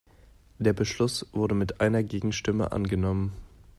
Der Beschluss wurde mit einer Gegenstimme angenommen.